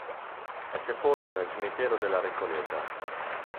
È sepolto nel cimitero della Recoleta.